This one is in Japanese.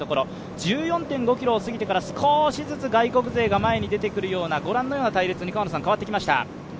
１４．５ｋｍを過ぎてから少しずつ外国人勢が前に出てくるようなご覧のような隊列に変わってきました。